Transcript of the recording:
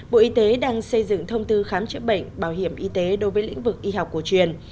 bộ y tế đang xây dựng thông tư khám chữa bệnh bảo hiểm y tế đối với lĩnh vực y học cổ truyền